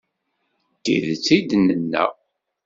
D tidet i d-nenna;